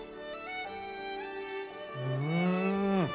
うん！